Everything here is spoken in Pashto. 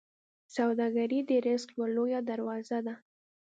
سوداګري د رزق یوه لویه دروازه ده.